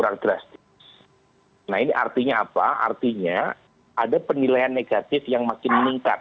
terkait dengan kondisi yang lebih tinggi nah ini artinya apa artinya ada penilaian negatif yang makin meningkat